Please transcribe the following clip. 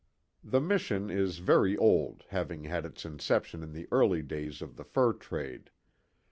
The mission is very old having had its inception in the early days of the fur trade.